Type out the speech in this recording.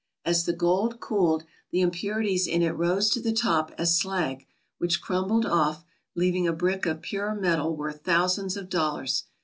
As the gold cooled, the impurities in it rose to the top as slag, which crumbled off, leaving a brick of pure metal worth thousands of dollars.